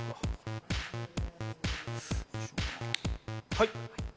はい。